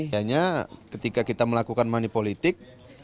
hanya ketika kita melakukan money politik